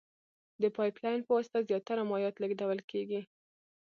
د پایپ لین په واسطه زیاتره مایعات لېږدول کیږي.